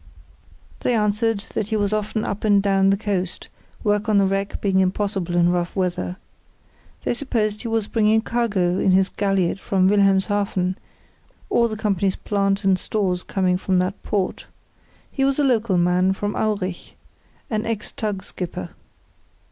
They answered that he was often up and down the coast, work on the wreck being impossible in rough weather. They supposed he was bringing cargo in his galliot from Wilhelmshaven, all the company's plant and stores coming from that port. He was a local man from Aurich; an ex tug skipper.